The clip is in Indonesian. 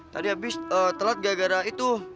tadi abis ee telat gara gara itu